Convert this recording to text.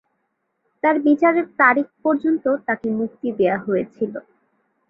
তার বিচারের তারিখ পর্যন্ত তাকে মুক্তি দেওয়া হয়েছিল।